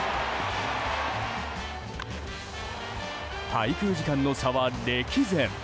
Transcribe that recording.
滞空時間の差は歴然。